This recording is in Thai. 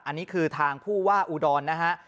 อันนี้คือทางผู้ว่าอุดรนะฮะ